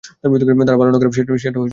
তারা ভাল না খারাপ সেটা কোন ব্যাপার না।